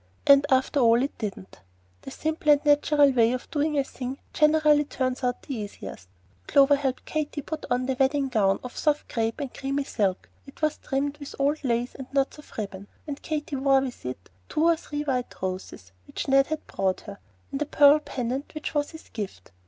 And after all, it didn't. The simple and natural way of doing a thing generally turns out the easiest. Clover helped Katy to put on the wedding gown of soft crape and creamy white silk. It was trimmed with old lace and knots of ribbon, and Katy wore with it two or three white roses which Ned had brought her, and a pearl pendant which was his gift.